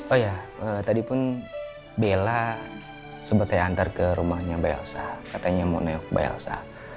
oh iya tadipun bella sempat saya hantar ke rumahnya mbak elsa katanya mau neok mbak elsa